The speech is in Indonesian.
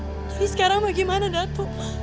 jadi sekarang bagaimana datuk